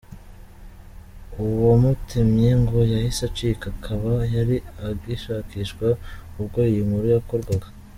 Uwamutemye ngo yahise acika akaba yari agishakishwa ubwo iyi nkuru yakorwaga.